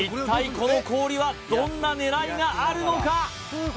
この氷はどんな狙いがあるのか？